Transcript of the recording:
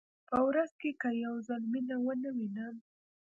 په ورځ کې که یو ځل مینه ونه وینم.